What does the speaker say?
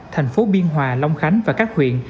thành phố biên hòa long khánh và các huyện